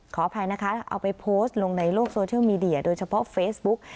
ขออภัยนะคะเอาไปโพสต์ลงในโลกโซเชียลมีเดียโดยเฉพาะเฟซบุ๊ก